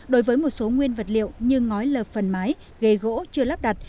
đối với một số nguyên vật liệu như ngói lợp phần mái ghế gỗ chưa lắp đặt